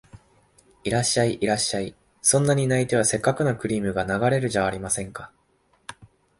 いらっしゃい、いらっしゃい、そんなに泣いては折角のクリームが流れるじゃありませんか